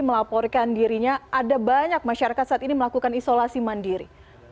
melaporkan dirinya ada banyak masyarakat saat ini melakukan isolasi mandiri